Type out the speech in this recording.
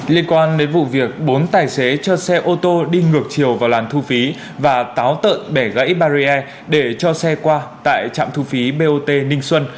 liên quan đến vụ việc bốn tài xế cho xe ô tô đi ngược chiều vào làn thu phí và táo tợn bẻ gãy barrier để cho xe qua tại trạm thu phí bot ninh xuân